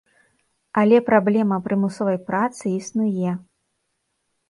Але праблема прымусовай працы існуе.